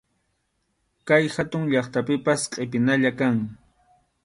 Kay hatun llaqtapipas qʼipinalla kan.